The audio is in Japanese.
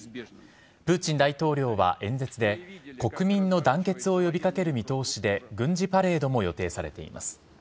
プーチン大統領は演説で、国民の団結を呼びかける見通しで、軍事パレードも予定されています。